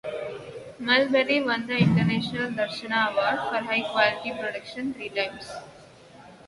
Mulberry won the International Darsana Award for High Quality Production three times.